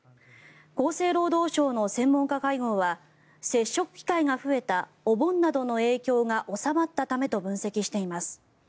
厚生労働省の専門家会合は接触機会が増えたお盆などの影響が収まったためと分析しています。